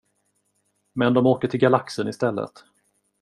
Men de åker till galaxen i stället.